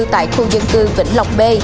tại khu dân cư vĩnh lộc b